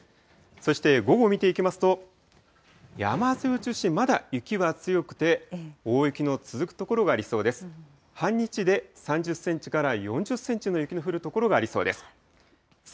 そして午後を見ていきますと、山沿いを中心にまだ雪は強くて、大雪の続く所がありそうです。